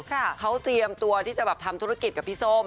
เขาเตรียมตัวที่จะแบบทำธุรกิจกับพี่ส้ม